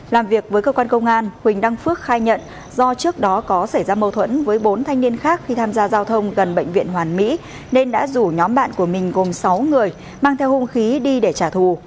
làm việc với cơ quan công an huỳnh đăng phước khai nhận do trước đó có xảy ra mâu thuẫn với bốn thanh niên khác khi tham gia giao thông gần bệnh viện hoàn mỹ nên đã rủ nhóm bạn của mình gồm sáu người mang theo hung khí đi để trả thù